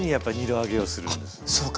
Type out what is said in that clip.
あそうか。